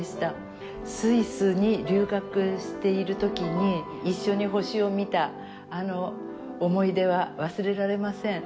スイスに留学している時に一緒に星を見たあの思い出は忘れられません。